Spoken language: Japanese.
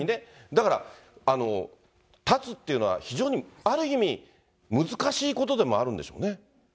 だから断つっていうのは非常にある意味、難しいことでもあるんでしょうね。